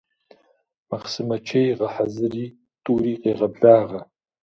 Махъсымэ чей гъэхьэзыри, тӏури къегъэблагъэ.